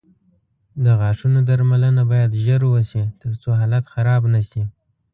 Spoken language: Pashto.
د غاښونو درملنه باید ژر وشي، ترڅو حالت خراب نه شي.